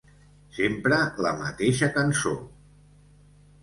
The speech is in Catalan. Sempre la mateixa cançó...